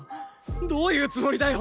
どういうつもりだよ！